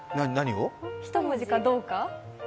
一文字かどうか。